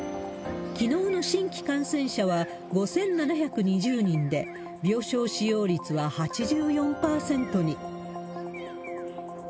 きのうの新規感染者は５７２０人で、病床使用率は８４％に。